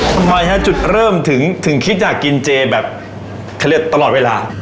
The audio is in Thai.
คุณพ่อยนะจุดเริ่มถึงคิดอยากกินเจแบบเครียดตลอดเวลา